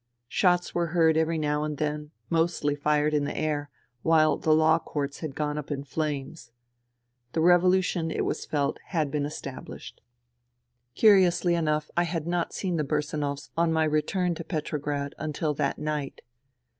Shots were heard every now and then, mostly fired in the air, while the law courts had gone up in flames. The revolu tion, it was felt, had been estabhshed. Curiously enough I had not seen the Bursanovs on my return to Petrograd until that night.